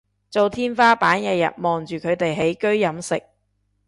做天花板日日望住佢哋起居飲食